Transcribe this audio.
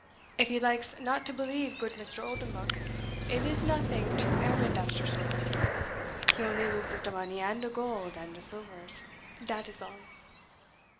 If he likes not to believe, goot Mr. Oldenbuck, it is nothing to Herman Dousterswivel he only loses de money and de gold and de silvers dat is all."